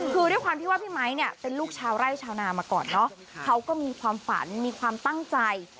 คือด้วยความที่ว่าพี่ไมค์เนี่ยเป็นลูกชาวไร่ชาวนามาก่อนเนอะเขาก็มีความฝันมีความตั้งใจ